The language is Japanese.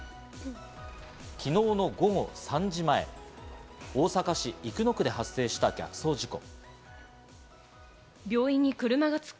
昨日の午後３時前、大阪市生野区で発生した逆走事故。